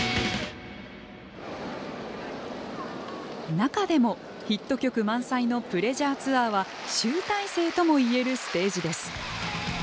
中でも、ヒット曲満載の「Ｐｌｅａｓｕｒｅ」ツアーは集大成ともいえるステージです。